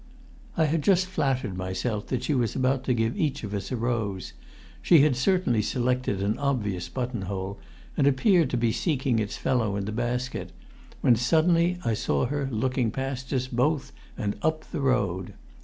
I had just flattered myself that she was about to give each of us a rose; she had certainly selected an obvious buttonhole, and appeared to be seeking its fellow in the basket, when suddenly I saw her looking past us both and up the road.